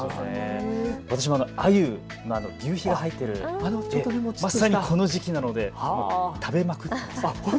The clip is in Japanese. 私もあゆ、ぎゅうひが入っている、まさにこの時期なので、食べまくってます。